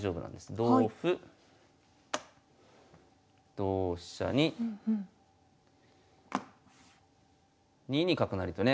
同歩同飛車に２二角成とね。